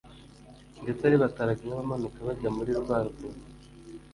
, Ndetse ari bataraga nk’abamanuka bajya muri rwa rwobo,